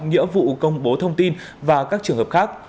nghĩa vụ công bố thông tin và các trường hợp khác